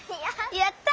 やった！